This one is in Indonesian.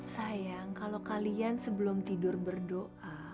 sayang kalau kalian sebelum tidur berdoa